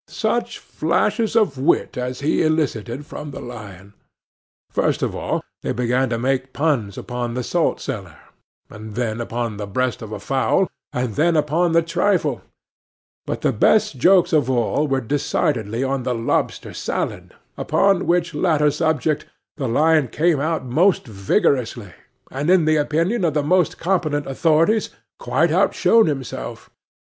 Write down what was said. Such flashes of wit as he elicited from the lion! First of all, they began to make puns upon a salt cellar, and then upon the breast of a fowl, and then upon the trifle; but the best jokes of all were decidedly on the lobster salad, upon which latter subject the lion came out most vigorously, and, in the opinion of the most competent authorities, quite outshone himself.